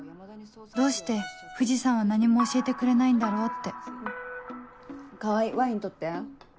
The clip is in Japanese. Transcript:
どうして藤さんは何も教えてくれないんだろうって川合ワイン取って。